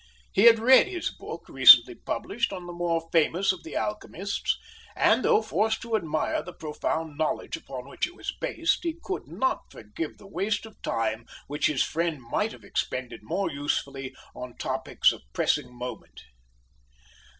He had read his book, recently published, on the more famous of the alchemists; and, though forced to admire the profound knowledge upon which it was based, he could not forgive the waste of time which his friend might have expended more usefully on topics of pressing moment.